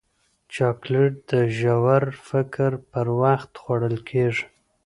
چاکلېټ د ژور فکر پر وخت خوړل کېږي.